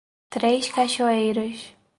Três Cachoeiras